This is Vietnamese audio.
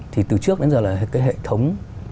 thì từ trước đến giờ là cái hệ thống